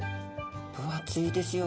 分厚いですよ。